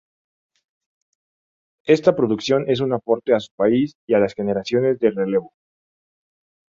Esta producción es un aporte a su país y a las generaciones de relevo.